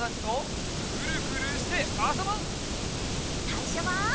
さいしょは。